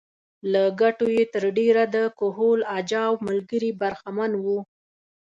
له ګټو یې تر ډېره د کهول اجاو ملګري برخمن وو